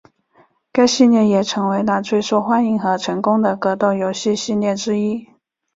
该系列也成为了最受欢迎和成功的格斗游戏系列之一。